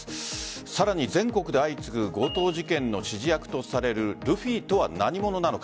さらに、全国で相次ぐ強盗事件の指示役とされるルフィとは何者なのか。